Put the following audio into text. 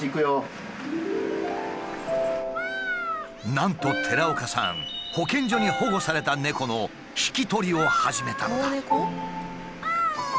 なんと寺岡さん保健所に保護された猫の引き取りを始めたのだ。